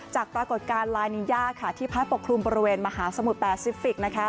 ปรากฏการณ์ลายนิยาที่พัดปกครุมบริเวณมหาสมุทรแปซิฟิก